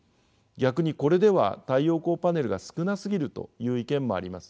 逆にこれでは太陽光パネルが少なすぎるという意見もあります。